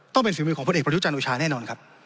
ต้องเป็นศิลป์มิวของพระเอกประดูกจันทร์อุชาแน่นอนครับ